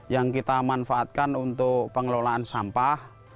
yang kita manfaatkan untuk pengelolaan sampah